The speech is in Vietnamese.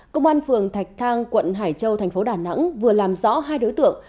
công an phường thạch thang quận hải châu thành phố đà nẵng vừa làm rõ hai đối tượng